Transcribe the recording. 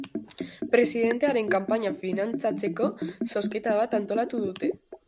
Presidentearen kanpaina finantzatzeko, zozketa bat antolatu dute.